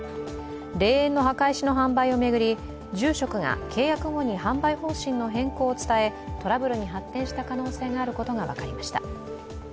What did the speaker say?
霊園の墓石の販売を巡り、住職が契約後に販売方針の変更を伝え、トラブルに発展した可能性があることが分かりました。